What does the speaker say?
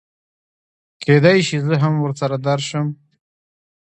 کېدی شي زه هم ورسره درشم